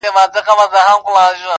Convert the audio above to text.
o د ژوند خوارۍ كي يك تنها پرېږدې.